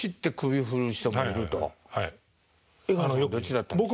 江川さんどっちだったんですか？